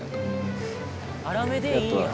「粗めでいいんや」